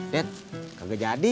dad kagak jadi